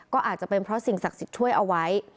ก็อาจจะเป็นเพราะสิ่งศักดิ์สิทธิ์ช่วยเอาไว้